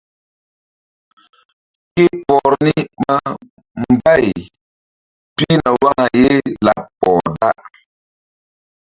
Ke por ni ɓa mbay pihna waka ye laɓ ɔh da.